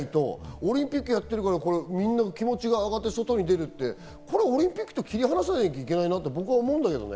オリンピックやってるから気持ちが上がって外に出るってオリンピックと切り離さなきゃいけないなと僕は思うんだけどね。